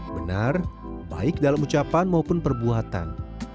benar baik dalam ucapan maupun perbuatan